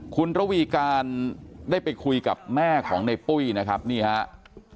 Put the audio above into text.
คุณระวีการได้ไปคุยกับแม่ของในปุ้ยนะครับนี่ครับ